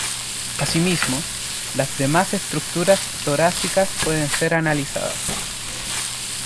Asimismo, las demás estructuras torácicas pueden ser analizadas.